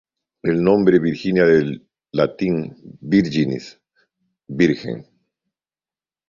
El nombre Virginia deriva del latín "virginis": virgen.